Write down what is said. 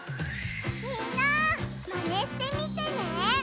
みんなマネしてみてね！